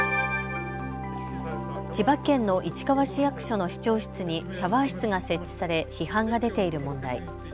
千葉県の市川市役所の市長室にシャワー室が設置され批判が出ている問題。